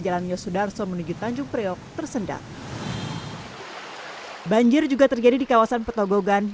jalan yosudarso menuju tanjung priok tersendat banjir juga terjadi di kawasan petogogan